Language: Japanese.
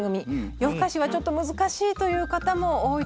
夜更かしはちょっと難しいという方も多いと思います。